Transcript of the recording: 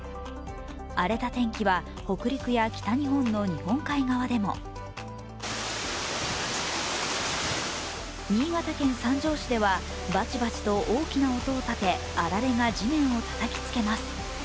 荒れた天気は北陸や北日本の日本海側でも新潟県三条市ではバチバチと大きな音を立てあられが地面をたたきつけます。